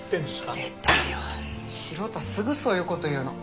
素人はすぐそういうこと言うの。